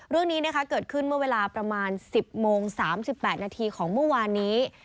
เรื่องนี้เกิดขึ้นเมื่อเวลาประมาณ๑๐โมง๓๘นาทีของเมื่อวานนี้